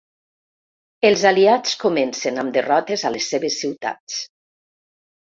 Els aliats comencen amb derrotes a les seves ciutats.